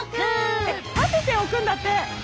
えっ立てて置くんだって！